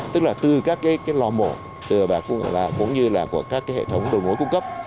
tức là từ các cái lò mổ cũng như là của các cái hệ thống đồ ngối cung cấp